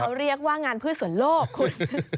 เขาเรียกว่างานพืชส่วนโลกคุณ